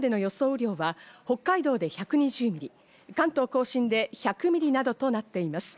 雨量は、北海道で１２０ミリ、関東甲信で１００ミリなどとなっています。